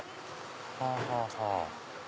はぁはぁはぁ。